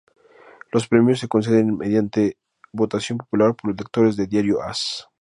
Los premios se conceden mediante votación popular por los lectores del diario As.